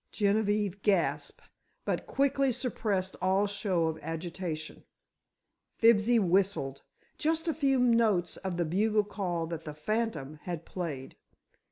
Genevieve gasped, but quickly suppressed all show of agitation. Fibsy whistled—just a few notes of the bugle call that the "phantom" had played.